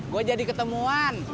gua jadi ketemuan